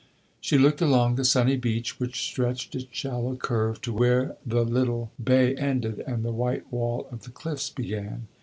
She looked along the sunny beach which stretched its shallow curve to where the little bay ended and the white wall of the cliffs began.